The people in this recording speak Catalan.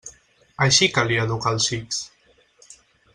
Així calia educar els xics.